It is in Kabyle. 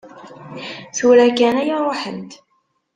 Tura kan ay ruḥent.